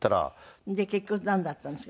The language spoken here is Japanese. で結局なんだったんですか？